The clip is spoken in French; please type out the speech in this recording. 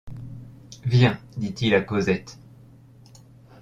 Viens, dit-il à Cosette.